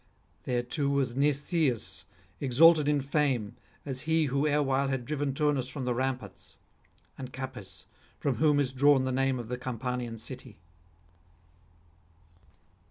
There too was Mnestheus, exalted in fame as he who erewhile had driven Turnus from the ramparts; and Capys, from whom is drawn the name of the Campanian city.